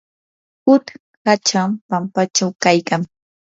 huk hacham pampachaw kaykan.